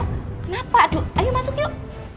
kenapa aduh ayo masuk yuk